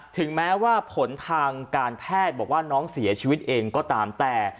ถึงแม้ว่าผลทางการแพทย์บอกว่าน้องเสียชีวิตเองก็ตามแต่